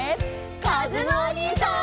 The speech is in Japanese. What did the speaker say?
かずむおにいさん！